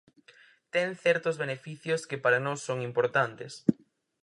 Ten certos beneficios que para nós son importantes.